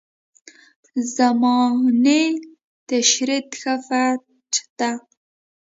زما نئی تیشرت ښه فټ ده.